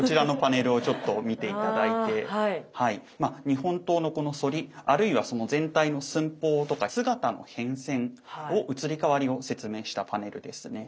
日本刀のこの反りあるいはその全体の寸法とか姿の変遷を移り変わりを説明したパネルですね。